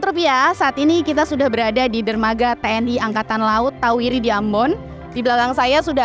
rupiah saat ini kita sudah berada di dermaga tni angkatan laut tauwiri di ambon di belakang saya sudah